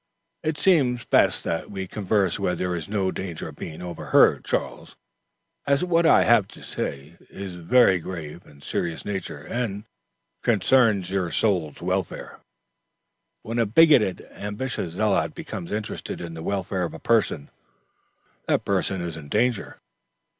"It seems best that we converse where there is no danger of being overheard, Charles, as what I have to say is of a very grave and serious nature and concerns your soul's welfare." When a bigoted, ambitious zealot becomes interested in the welfare of a person, that person is in danger.